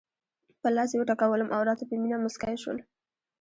پر لاس یې وټکولم او راته په مینه مسکی شول.